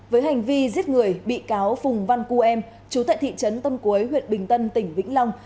với hành vi giết người bị cáo phùng văn cua em chủ tệ thị trấn tân cuối huyện bình tân tỉnh vĩnh long